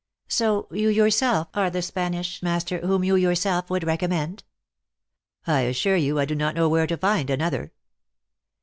" So you, yourself, are the Spanish master, whom you, yourself, would recommend ?"" I assure you I do not know where to find an other."